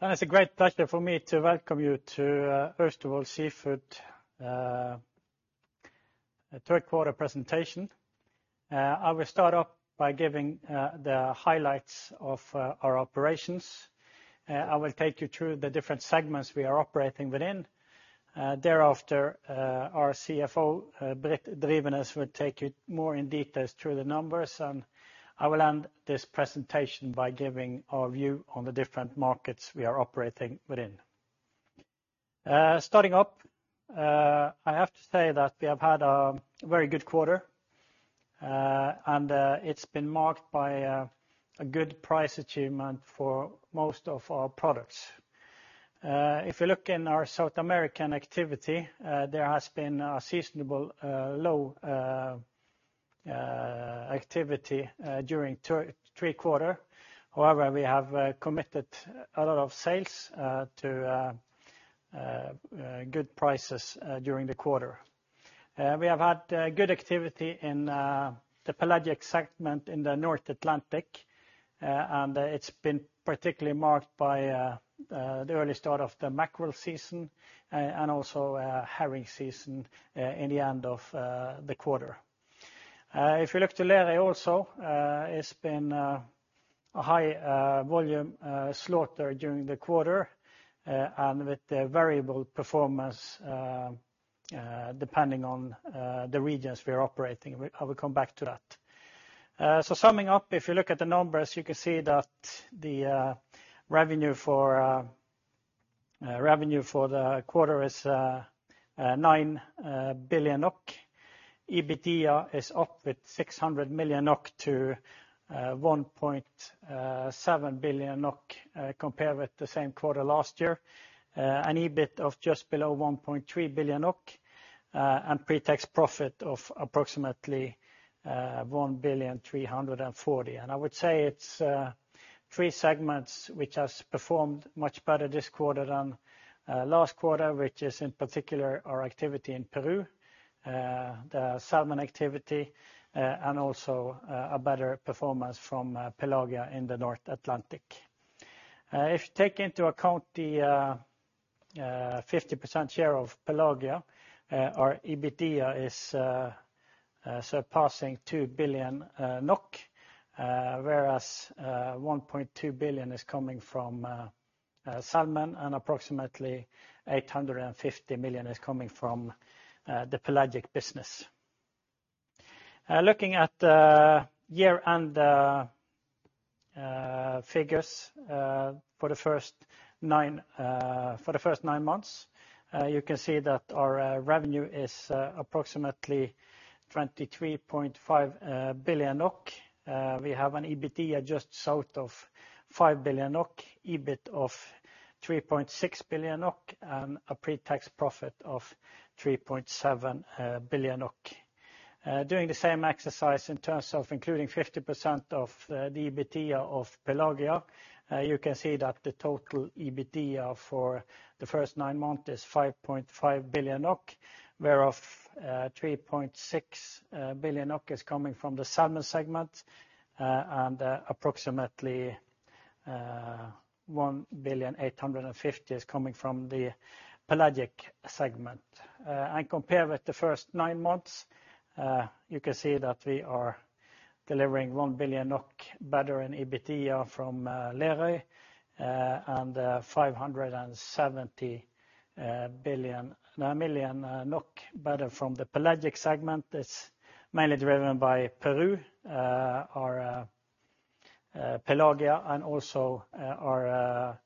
It's a great pleasure for me to welcome you to Austevoll Seafood third quarter presentation. I will start off by giving the highlights of our operations. I will take you through the different segments we are operating within. Thereafter, our CFO, Britt Drivenes, will take you more in detail through the numbers, and I will end this presentation by giving our view on the different markets we are operating within. Starting up, I have to say that we have had a very good quarter, and it's been marked by a good price achievement for most of our products. If you look in our South American activity, there has been a seasonal low activity during third quarter. However, we have committed a lot of sales to good prices during the quarter. We have had good activity in the pelagic segment in the North Atlantic, and it's been particularly marked by the early start of the mackerel season, and also herring season in the end of the quarter. If you look to Lerøy also, it's been a high volume slaughter during the quarter, and with the variable performance depending on the regions we are operating. I will come back to that. So summing up, if you look at the numbers, you can see that the revenue for the quarter is 9 billion NOK. EBITDA is up by 600 million NOK to 1.7 billion NOK compared with the same quarter last year. An EBIT of just below 1.3 billion NOK and pre-tax profit of approximately 1.34 billion. I would say it's three segments which has performed much better this quarter than last quarter, which is in particular our activity in Peru, the salmon activity, and also a better performance from Pelagia in the North Atlantic. If you take into account the 50% share of Pelagia, our EBITDA is surpassing 2 billion NOK, whereas 1.2 billion is coming from salmon and approximately 850 million is coming from the pelagic business. Looking at year-end figures for the first nine months, you can see that our revenue is approximately 23.5 billion NOK. We have an EBITDA just south of 5 billion NOK, EBIT of 3.6 billion NOK, and a pre-tax profit of 3.7 billion NOK. Doing the same exercise in terms of including 50% of the EBITDA of Pelagia, you can see that the total EBITDA for the first nine months is 5.5 billion NOK, whereof 3.6 billion NOK is coming from the salmon segment, and approximately 1.85 billion is coming from the pelagic segment. Compare with the first nine months, you can see that we are delivering 1 billion NOK better in EBITDA from Lerøy, and 570 million NOK better from the pelagic segment. It's mainly driven by Peru, our Pelagia, and also our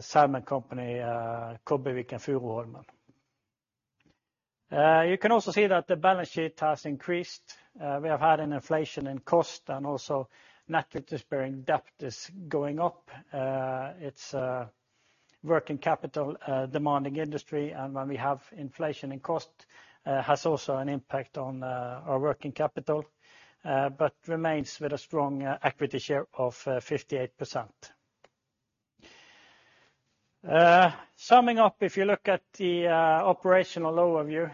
salmon company, Kobbevik og Furuholmen. You can also see that the balance sheet has increased. We have had an inflation in cost and also net interest-bearing debt is going up. It's a working capital demanding industry, and when we have inflation in cost, has also an impact on our working capital, but remains with a strong equity share of 58%. Summing up, if you look at the operational overview,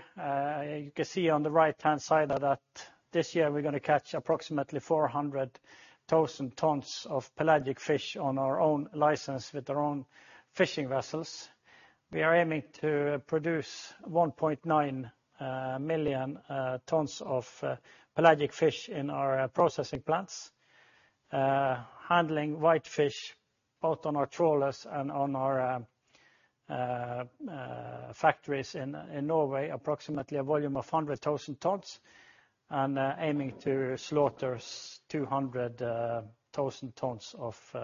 you can see on the right-hand side of that this year we're gonna catch approximately 400,000 tons of pelagic fish on our own license with our own fishing vessels. We are aiming to produce 1.9 million tons of pelagic fish in our processing plants. Handling white fish both on our trawlers and on our factories in Norway, approximately a volume of 100,000 tons, and aiming to slaughter 200,000 tons of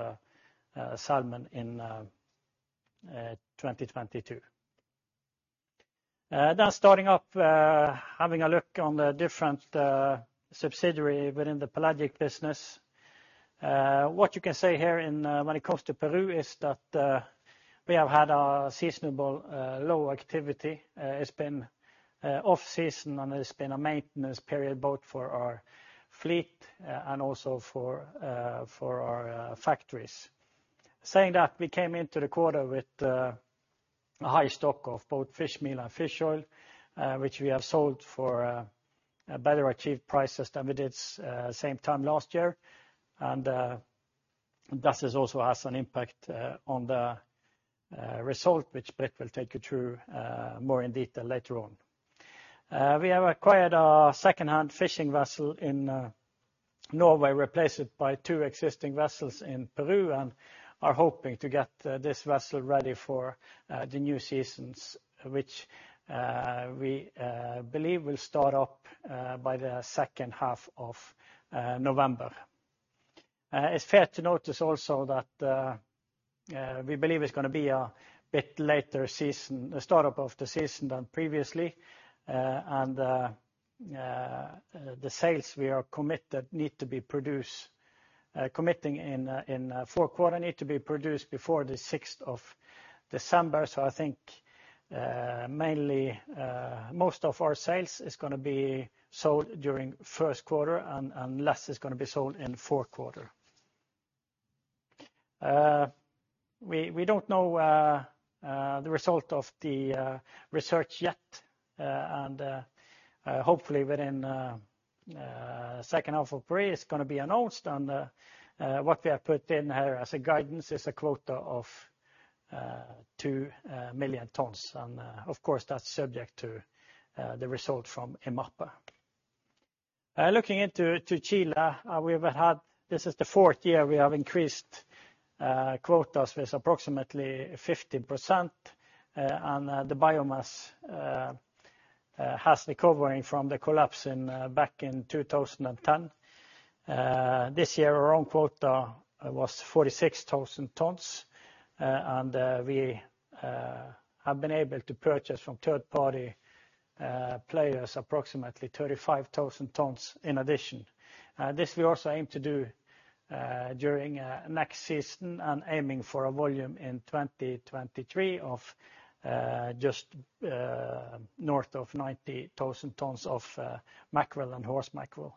salmon in 2022. Now starting up, having a look on the different subsidiary within the pelagic business. What you can say here when it comes to Peru is that we have had a seasonal low activity. It's been off-season, and it's been a maintenance period both for our fleet and also for our factories. Saying that, we came into the quarter with a high stock of both fishmeal and fish oil, which we have sold for a better achieved prices than we did same time last year. Thus has also an impact on the result which Britt will take you through more in detail later on. We have acquired our second-hand fishing vessel in Norway, replaced by two existing vessels in Peru, and are hoping to get this vessel ready for the new seasons, which we believe will start up by the second half of November. It's fair to notice also that we believe it's gonna be a bit later start up of the season than previously. The committed sales in the fourth quarter need to be produced before the 6th of December. I think mainly most of our sales is gonna be sold during first quarter and less is gonna be sold in fourth quarter. We don't know the result of the research yet. Hopefully within second half of 2023 it's gonna be announced. What we have put in here as a guidance is a quota of 2 million tons. Of course, that's subject to the result from IMARPE. Looking into Chile, this is the fourth year we have increased quotas with approximately 50%. The biomass has been recovering from the collapse back in 2010. This year our own quota was 46,000 tons. We have been able to purchase from third-party players approximately 35,000 tons in addition. This we also aim to do during next season and aiming for a volume in 2023 of just north of 90,000 tons of mackerel and horse mackerel.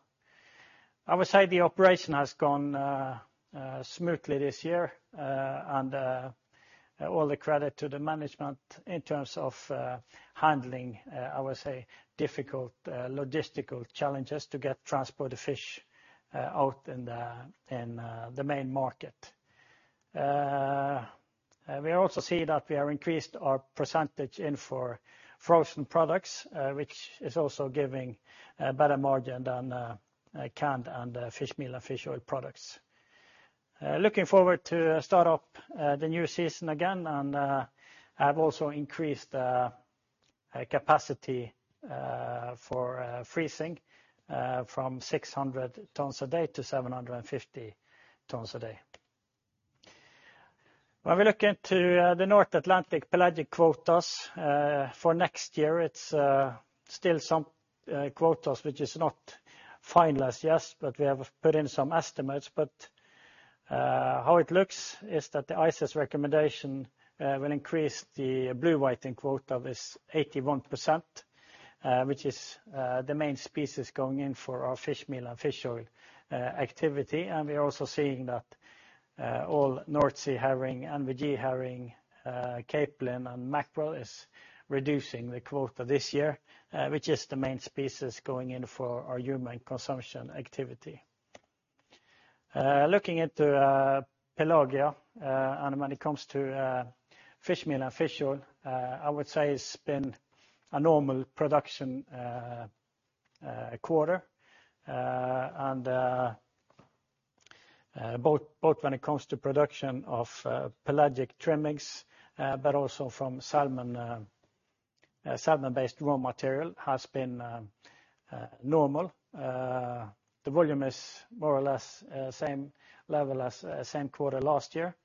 I would say the operation has gone smoothly this year. All the credit to the management in terms of handling I would say difficult logistical challenges to get transport the fish out in the main market. We also see that we have increased our percentage in for frozen products, which is also giving better margin than canned and fish meal and fish oil products. Looking forward to start up the new season again and have also increased capacity for freezing from 600 tons a day to 750 tons a day. When we look into the North Atlantic pelagic quotas for next year, it's still some quotas which is not finalized yet, but we have put in some estimates. How it looks is that the ICES recommendation will increase the blue whiting quota with 81%, which is the main species going in for our fishmeal and fish oil activity. We are also seeing that all North Sea herring, NVG herring, capelin and mackerel is reducing the quota this year, which is the main species going in for our human consumption activity. Looking into Pelagia and when it comes to fishmeal and fish oil, I would say it's been a normal production quarter. Both when it comes to production of pelagic trimmings but also from salmon-based raw material has been normal. The volume is more or less same level as same quarter last year.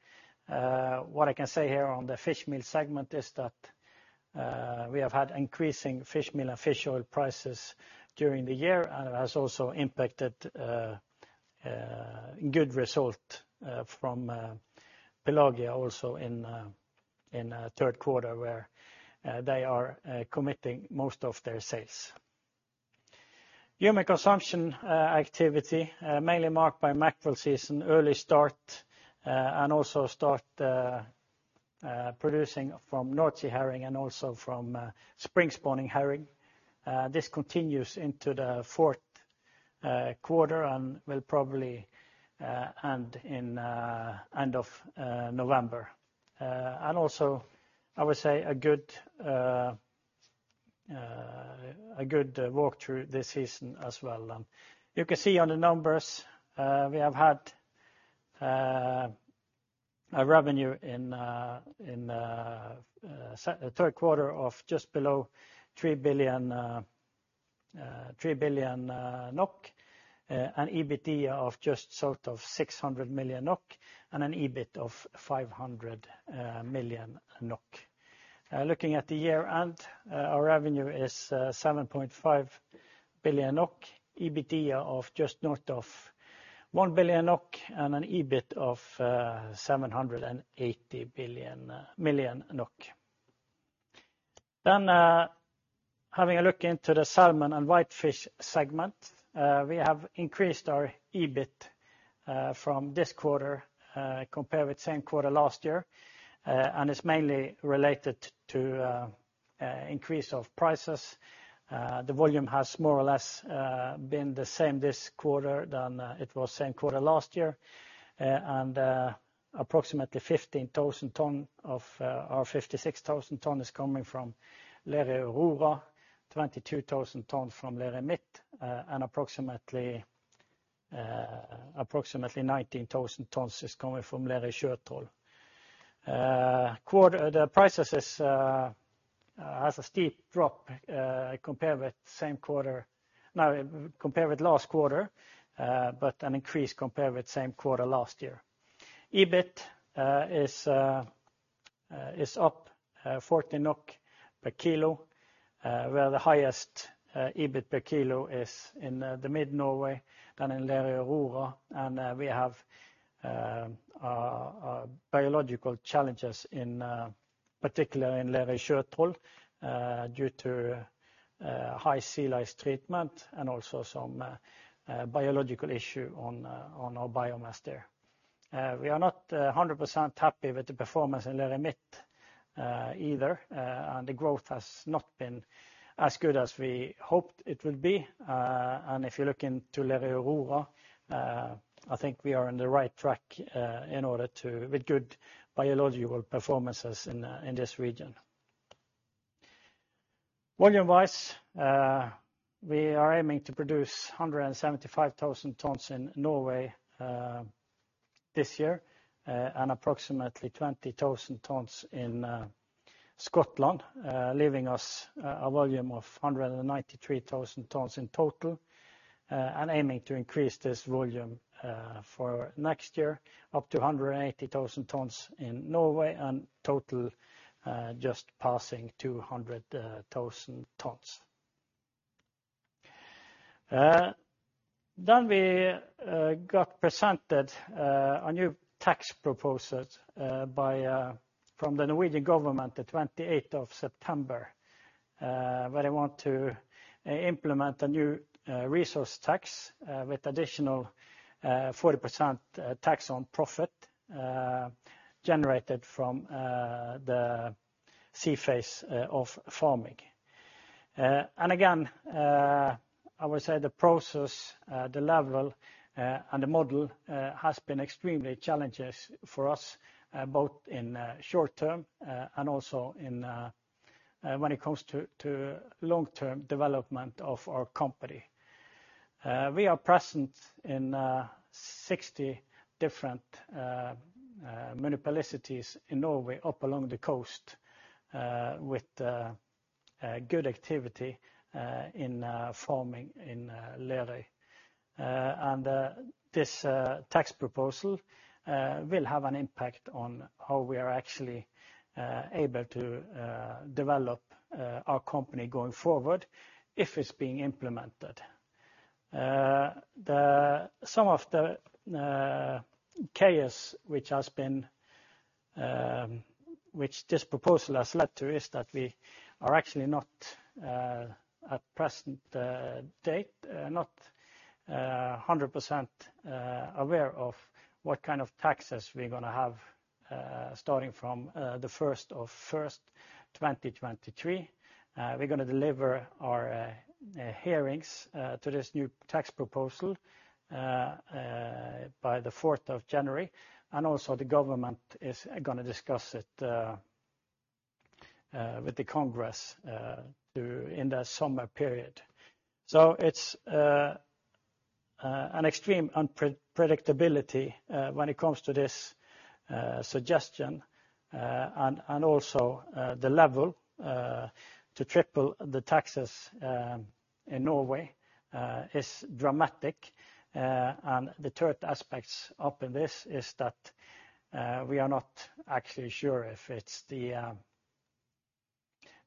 What I can say here on the fishmeal segment is that we have had increasing fishmeal and fish oil prices during the year, and it has also impacted good result from Pelagia also in third quarter where they are committing most of their sales. Human consumption activity mainly marked by mackerel season early start and also start producing from North Sea herring and also from spring-spawning herring. This continues into the fourth quarter and will probably end of November. I would say a good walk through this season as well. You can see on the numbers, we have had a revenue in third quarter of just below 3 billion, an EBITDA of just sort of 600 million NOK and an EBIT of 500 million NOK. Looking at the year end, our revenue is 7.5 billion NOK, EBITDA of just north of 1 billion NOK and an EBIT of 780 million NOK. Having a look into the salmon and whitefish segment. We have increased our EBIT from this quarter compared with same quarter last year. It's mainly related to increase of prices. The volume has more or less been the same this quarter than it was same quarter last year. Approximately 15,000 tons of our 56,000 tons is coming from Lerøy Aurora, 22,000 tons from Lerøy Midt, and approximately 19,000 tons is coming from Lerøy Sjøtroll. The prices has a steep drop compared with same quarter. Now compared with last quarter, but an increase compared with same quarter last year. EBIT is up 40 NOK per kilo, where the highest EBIT per kilo is in the mid Norway than in Lerøy Aurora. We have biological challenges in particular in Lerøy Sjøtroll due to high sea lice treatment and also some biological issue on our biomass there. We are not 100% happy with the performance in Lerøy Midt either. The growth has not been as good as we hoped it would be. If you look into Lerøy Aurora, I think we are on the right track with good biological performances in this region. Volume-wise, we are aiming to produce 175,000 tons in Norway this year, and approximately 20,000 tons in Scotland, leaving us a volume of 193,000 tons in total. Aiming to increase this volume for next year, up to 180,000 tons in Norway, and total just passing 200,000 tons. We got presented a new tax proposal from the Norwegian government the 28th of September, where they want to implement a new resource rent tax with additional 40% tax on profit generated from the sea phase of farming. Again, I would say the process, the level, and the model has been extremely challenging for us both in short term and also in when it comes to long-term development of our company. We are present in 60 different municipalities in Norway up along the coast with good activity in farming in Lerøy. This tax proposal will have an impact on how we are actually able to develop our company going forward if it's being implemented. Some of the chaos which this proposal has led to is that we are actually not at the present date 100% aware of what kind of taxes we're gonna have starting from the 1st of January 2023. We're gonna deliver our hearings to this new tax proposal by the 4th of January. Also the government is gonna discuss it with the Congress during the summer period. It's an extreme unpredictability when it comes to this suggestion. Also, the level to triple the taxes in Norway is dramatic. The third aspect of this is that we are not actually sure if it's the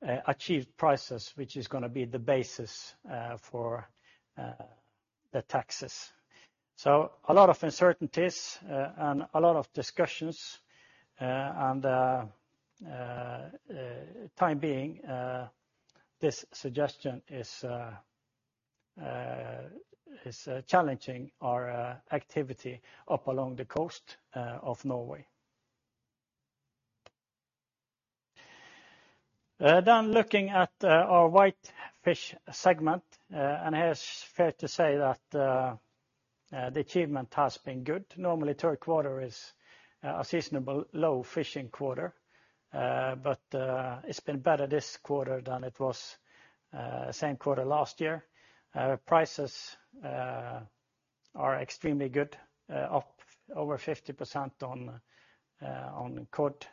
Nasdaq prices which is gonna be the basis for the taxes. So a lot of uncertainties and a lot of discussions, and for the time being, this suggestion is challenging our activity along the coast of Norway. Looking at our whitefish segment, it is fair to say that the achievement has been good. Normally, third quarter is a seasonal low fishing quarter, but it's been better this quarter than it was same quarter last year. Prices are extremely good, up over 50% on cod,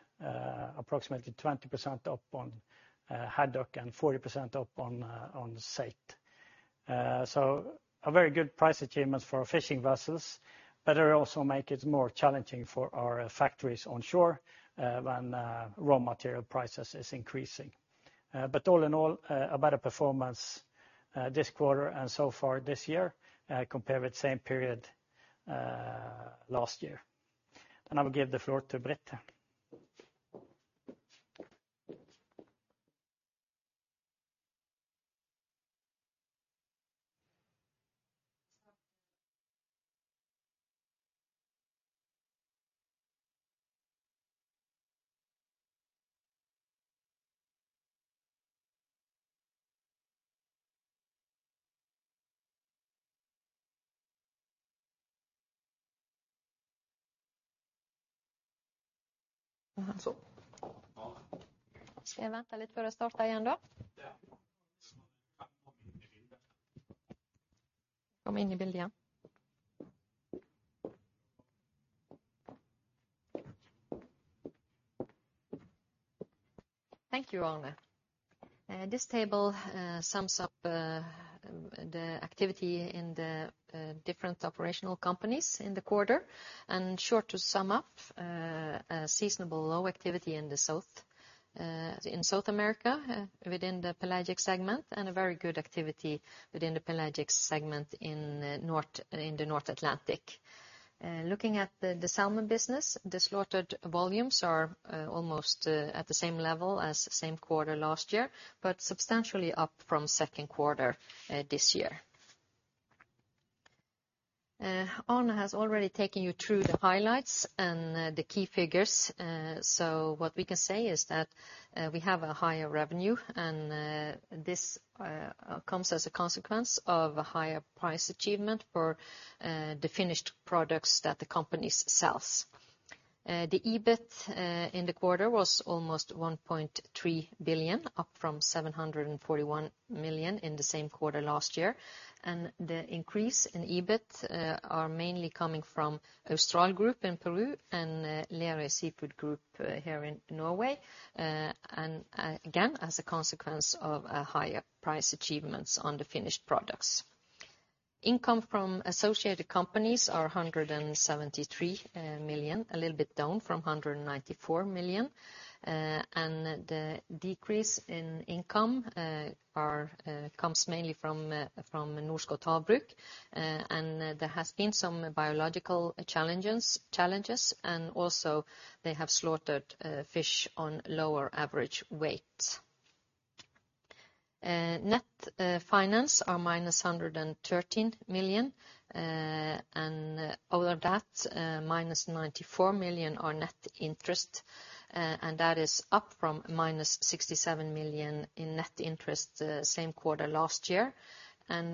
approximately 20% up on haddock, and 40% up on saithe. A very good price achievement for our fishing vessels, but it also make it more challenging for our factories on shore, when raw material prices is increasing. All in all, a better performance this quarter and so far this year, compared with same period last year. I will give the floor to Britt. Thank you, Arne. This table sums up the activity in the different operational companies in the quarter. Shortly to sum up, a seasonal low activity in the south in South America within the pelagic segment, and a very good activity within the pelagic segment in north in the North Atlantic. Looking at the salmon business, the slaughtered volumes are almost at the same level as same quarter last year, but substantially up from second quarter this year. Arne Møgster has already taken you through the highlights and the key figures. What we can say is that we have a higher revenue, and this comes as a consequence of a higher price achievement for the finished products that the company sells. The EBIT in the quarter was almost 1.3 billion, up from 741 million in the same quarter last year. The increase in EBIT are mainly coming from Austral Group in Peru and Lerøy Seafood Group here in Norway. And again, as a consequence of higher price achievements on the finished products. Income from associated companies are 173 million, a little bit down from 194 million. The decrease in income comes mainly from Norskott Havbruk. There has been some biological challenges and also they have slaughtered fish on lower average weight. Net finance are minus 113 million. Of that, minus 94 million are net interest, and that is up from minus 67 million in net interest same quarter last year.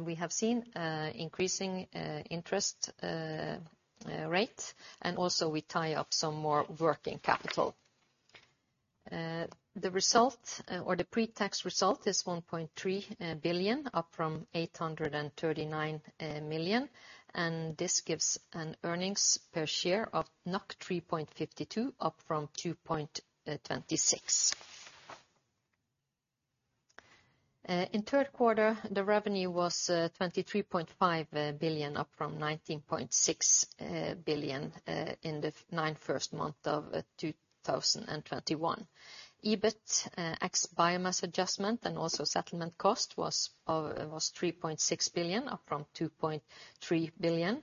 We have seen increasing interest rate and also we tie up some more working capital. The result, or the pre-tax result, is 1.3 billion, up from 839 million, and this gives an earnings per share of 3.52, up from 2.26. In third quarter, the revenue was 23.5 billion, up from 19.6 billion in the first nine months of 2021. EBIT ex biomass adjustment and also settlement cost was 3.6 billion, up from 2.3 billion.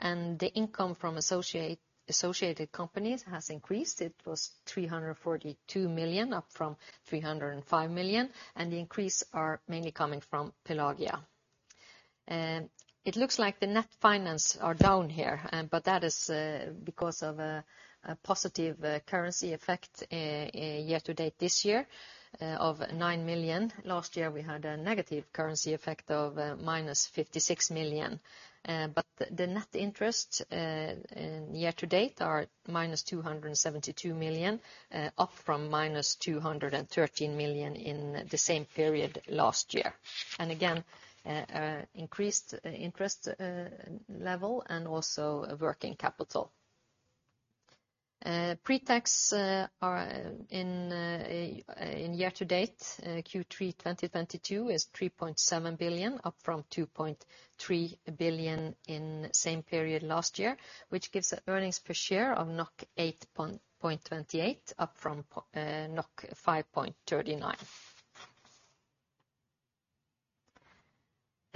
The income from associated companies has increased. It was 342 million, up from 305 million, and the increase are mainly coming from Pelagia. It looks like the net finance are down here, but that is because of a positive currency effect year to date this year of 9 million. Last year, we had a negative currency effect of -56 million. The net interest year to date are -272 million, up from -213 million in the same period last year. Again, increased interest level and also working capital. Pre-tax are in year to date Q3 2022 is 3.7 billion, up from 2.3 billion in same period last year, which gives earnings per share of 8.28, up from 5.39.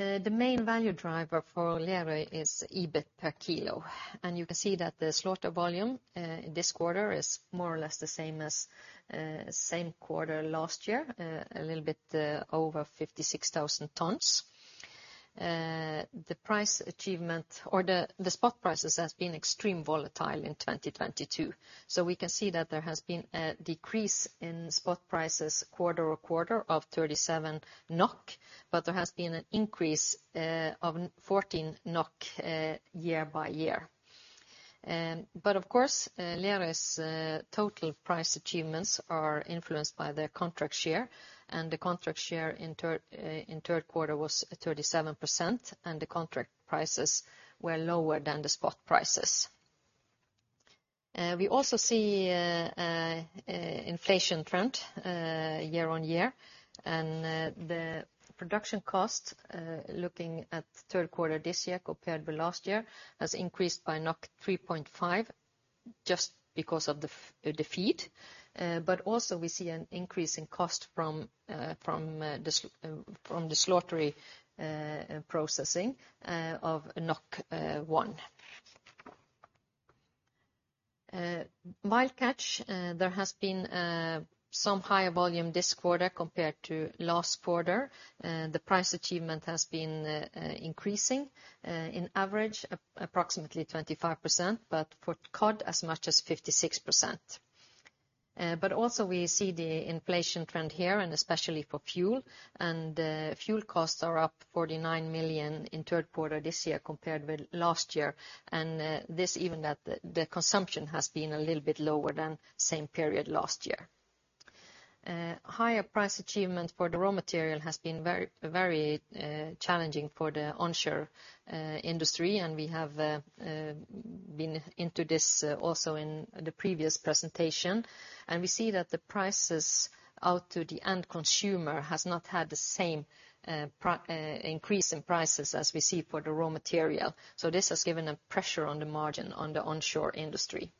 The main value driver for Lerøy is EBIT per kilo. You can see that the slaughter volume this quarter is more or less the same as same quarter last year, a little bit over 56,000 tons. The price achievement or the spot prices has been extremely volatile in 2022. We can see that there has been a decrease in spot prices quarter-over-quarter of 37 NOK, but there has been an increase of 14 NOK year-over-year. But of course, Lerøy's total price achievements are influenced by their contract share, and the contract share in third quarter was 37%, and the contract prices were lower than the spot prices. We also see inflation trend year-over-year. The production cost, looking at third quarter this year compared with last year, has increased by 3.5, just because of the feed. We see an increase in cost from the slaughter processing of NOK 1. Wild catch, there has been some higher volume this quarter compared to last quarter. The price achievement has been increasing on average approximately 25%, but for cod as much as 56%. We see the inflation trend here and especially for fuel. Fuel costs are up 49 million in third quarter this year compared with last year. This even though the consumption has been a little bit lower than same period last year. Higher price achievement for the raw material has been very challenging for the onshore industry. We have been into this also in the previous presentation. We see that the prices out to the end consumer has not had the same, increase in prices as we see for the raw material. This has given a pressure on the margin on the onshore industry.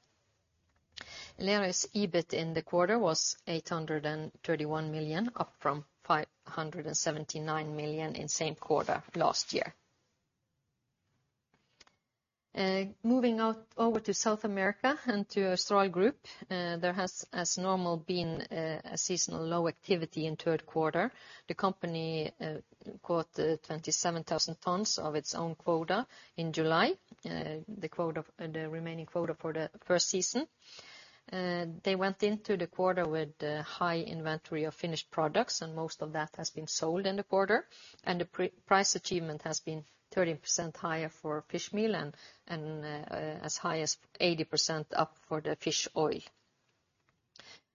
Lerøy's EBIT in the quarter was 831 million, up from 579 million in same quarter last year. Moving out over to South America and to Austral Group. There has as normal been a seasonal low activity in third quarter. The company caught 27,000 tons of its own quota in July. The remaining quota for the first season. They went into the quarter with a high inventory of finished products, and most of that has been sold in the quarter. The price achievement has been 13% higher for fishmeal and as high as 80% up for the fish oil.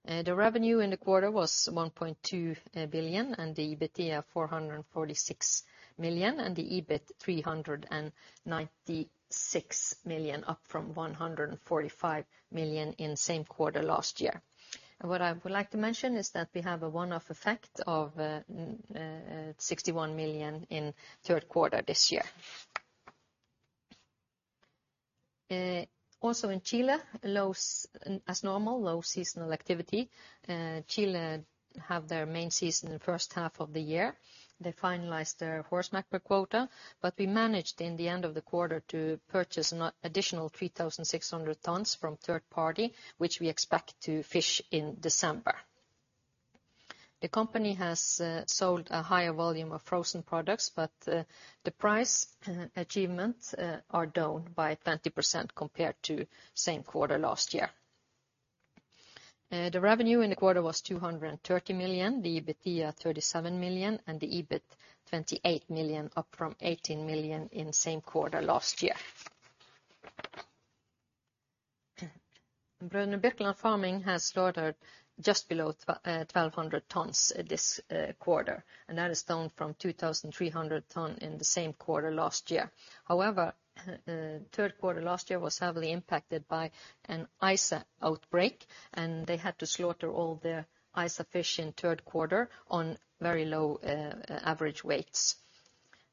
The revenue in the quarter was 1.2 billion, and the EBITDA 446 million, and the EBIT 396 million, up from 145 million in same quarter last year. What I would like to mention is that we have a one-off effect of 61 million in third quarter this year. Also in Chile low seasonal activity as normal. Chile have their main season in first half of the year. They finalized their horse mackerel quota. We managed in the end of the quarter to purchase an additional 3,600 tons from third party, which we expect to fish in December. The company has sold a higher volume of frozen products, but the price achievements are down by 20% compared to same quarter last year. The revenue in the quarter was 230 million, the EBITDA 37 million, and the EBIT 28 million, up from 18 million in same quarter last year. Br. Birkeland Farming has slaughtered just below 1,200 tons this quarter, and that is down from 2,300 tons in the same quarter last year. However, third quarter last year was heavily impacted by an ISA outbreak, and they had to slaughter all their ISA fish in third quarter on very low average weights.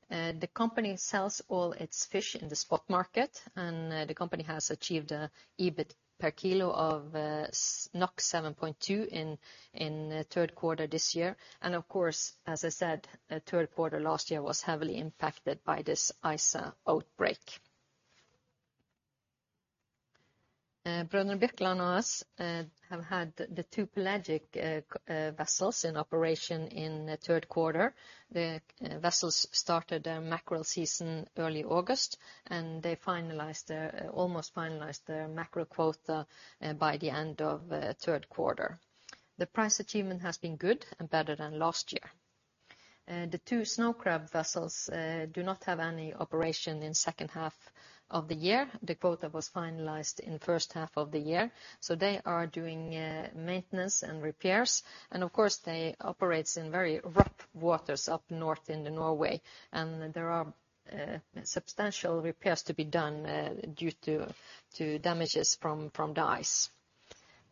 The company sells all its fish in the spot market, and the company has achieved an EBIT per kilo of 7.2 in third quarter this year. Of course, as I said, third quarter last year was heavily impacted by this ISA outbreak. Br. Birkeland AS have had the two pelagic vessels in operation in the third quarter. The vessels started their mackerel season early August, and they almost finalized their mackerel quota by the end of third quarter. The price achievement has been good and better than last year. The two snow crab vessels do not have any operation in second half of the year. The quota was finalized in first half of the year, so they are doing maintenance and repairs. Of course, they operates in very rough waters up north in Norway. There are substantial repairs to be done due to damages from the ice.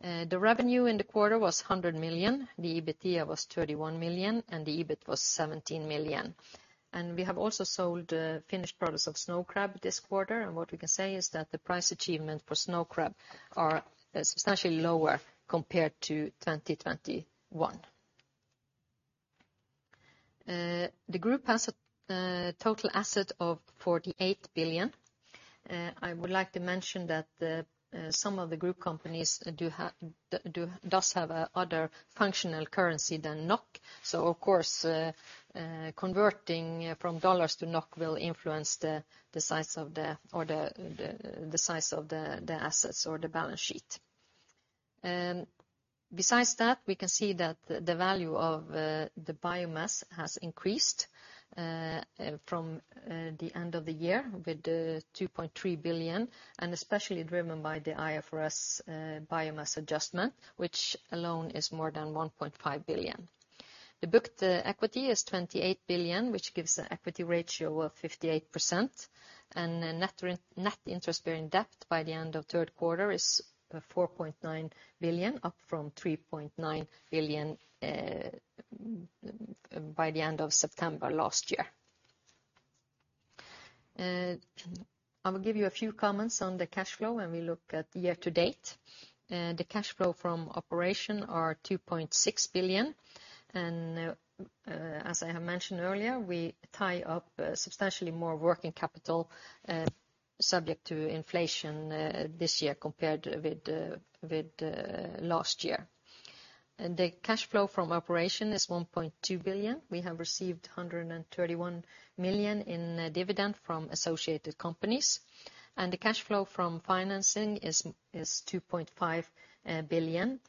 The revenue in the quarter was 100 million, the EBITDA was 31 million, and the EBIT was 17 million. We have also sold finished products of snow crab this quarter. What we can say is that the price achievement for snow crab are substantially lower compared to 2021. The group has a total asset of 48 billion. I would like to mention that some of the group companies do have other functional currency than NOK. Of course, converting from dollars to NOK will influence the size of the assets or the balance sheet. Besides that, we can see that the value of the biomass has increased from the end of the year with 2.3 billion, and especially driven by the IFRS biomass adjustment, which alone is more than 1.5 billion. The booked equity is 28 billion, which gives an equity ratio of 58%. Net interest-bearing debt by the end of third quarter is 4.9 billion, up from 3.9 billion by the end of September last year. I will give you a few comments on the cash flow when we look at year to date. The cash flow from operations is 2.6 billion. As I have mentioned earlier, we tie up substantially more working capital, subject to inflation, this year compared with last year. The cash flow from operations is 1.2 billion. We have received 131 million in dividend from associated companies. The cash flow from financing is 2.5 billion.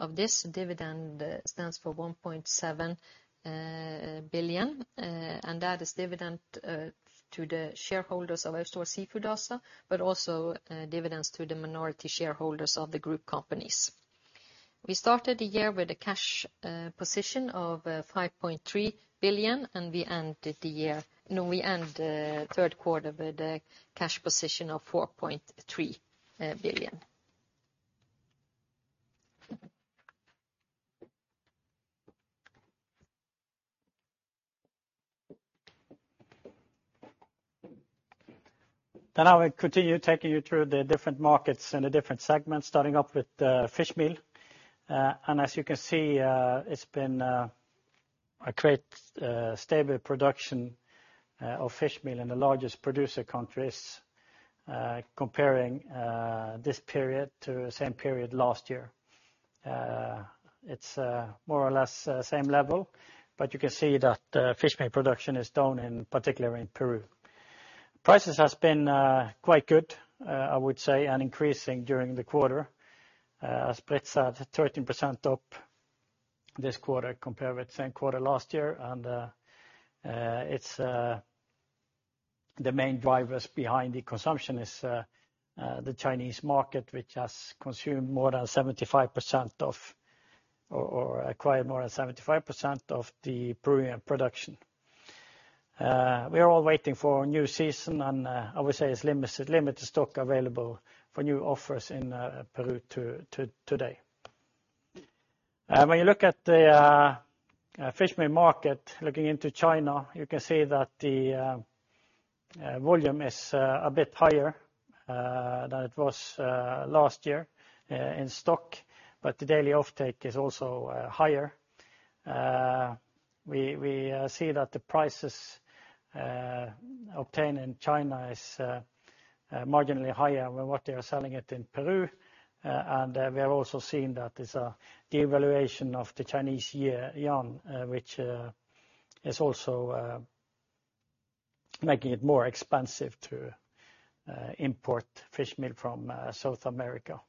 Of this, dividend stands for 1.7 billion, and that is dividend to the shareholders of Austevoll Seafood also, but also dividends to the minority shareholders of the group companies. We started the year with a cash position of 5.3 billion, and we end third quarter with a cash position of 4.3 billion. I will continue taking you through the different markets and the different segments, starting off with fishmeal. As you can see, it's been a great stable production of fishmeal in the largest producer countries, comparing this period to the same period last year. It's more or less same level, but you can see that fishmeal production is down, particularly in Peru. Prices has been quite good, I would say, and increasing during the quarter. Spreads at 13% up this quarter compared with same quarter last year. It's the main drivers behind the consumption is the Chinese market, which has consumed more than 75% of, or acquired more than 75% of the Peruvian production. We are all waiting for a new season, and I would say it's limited stock available for new offers in Peru today. When you look at the fishmeal market, looking into China, you can see that the volume is a bit higher than it was last year in stock, but the daily offtake is also higher. We see that the prices obtained in China is marginally higher than what they are selling it in Peru. And we are also seeing that there's a devaluation of the Chinese yuan, which is also making it more expensive to import fishmeal from South America.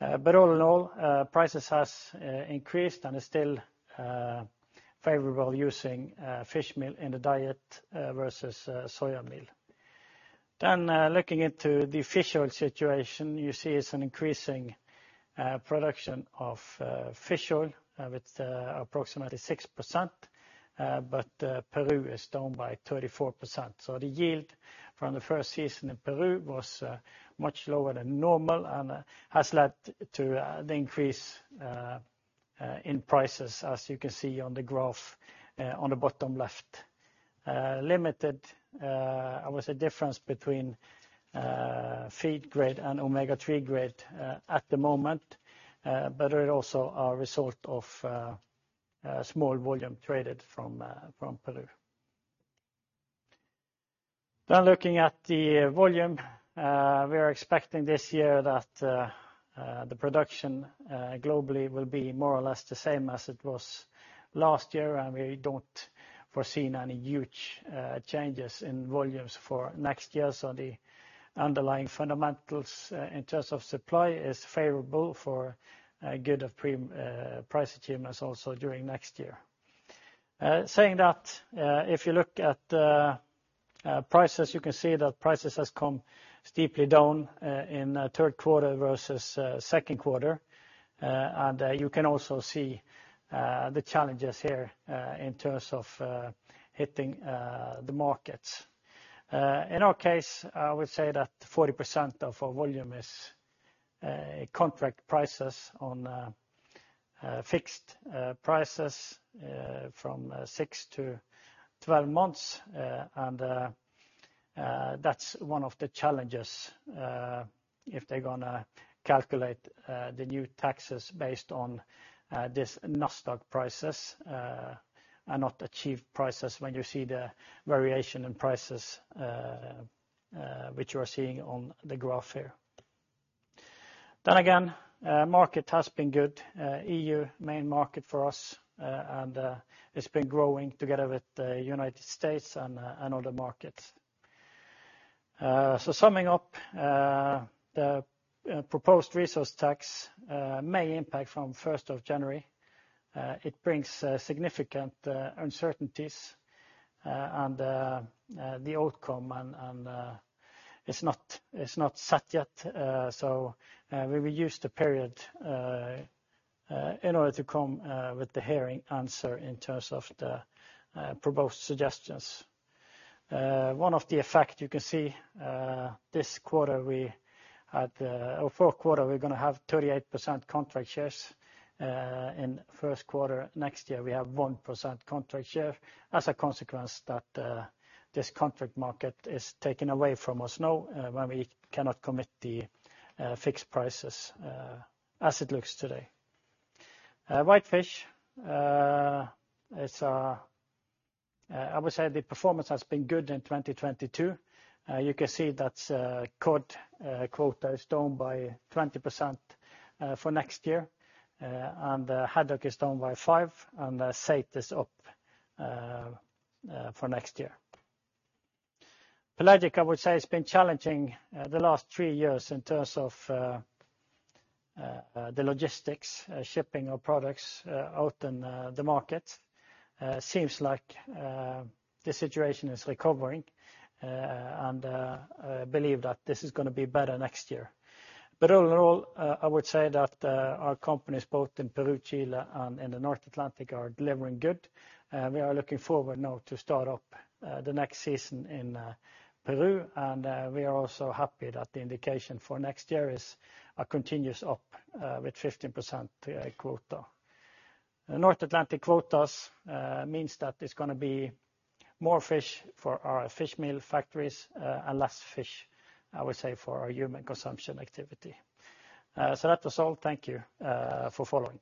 But all in all, prices has increased and are still favorable using fishmeal in the diet versus soya meal. Looking into the fish oil situation, you see it's an increasing production of fish oil with approximately 6%, but Peru is down by 34%. The yield from the first season in Peru was much lower than normal and has led to the increase in prices, as you can see on the graph on the bottom left. Limited, I would say difference between feed grade and Omega-3 grade at the moment, but are also a result of small volume traded from Peru. Looking at the volume, we are expecting this year that the production globally will be more or less the same as it was last year, and we don't foresee any huge changes in volumes for next year. The underlying fundamentals in terms of supply is favorable for good price achievements also during next year. Saying that, if you look at prices, you can see that prices has come steeply down in third quarter versus second quarter. You can also see the challenges here in terms of hitting the markets. In our case, I would say that 40% of our volume is contract prices on fixed prices from six to 12 months. That's one of the challenges if they're gonna calculate the new taxes based on this Nasdaq prices and not achieved prices when you see the variation in prices which you are seeing on the graph here. Market has been good. EU, main market for us, and the United States and other markets. Summing up, the proposed resource rent tax may impact from 1st of January. It brings significant uncertainties, and the outcome is not set yet. We will use the period in order to come with the hearing answer in terms of the proposed suggestions. One of the effects you can see, this quarter we had, or fourth quarter, we're gonna have 38% contract shares. In first quarter next year, we have 1% contract share as a consequence that this contract market is taken away from us now, when we cannot commit the fixed prices, as it looks today. Whitefish, I would say, the performance has been good in 2022. You can see that cod quota is down by 20% for next year, and haddock is down by 5%, and saithe is up for next year. Pelagic, I would say, has been challenging, the last three years in terms of the logistics, shipping of products, out in the market. Seems like the situation is recovering, and I believe that this is gonna be better next year. Overall, I would say that our companies, both in Peru, Chile, and in the North Atlantic are delivering good. We are looking forward now to start up the next season in Peru, and we are also happy that the indication for next year is a continuous up with 15% quota. North Atlantic quotas means that there's gonna be more fish for our fishmeal factories, and less fish, I would say, for our human consumption activity. That was all. Thank you for following.